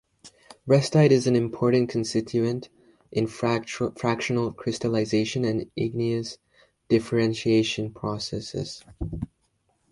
Restite is an important constituent in fractional crystallisation and igneous differentiation processes.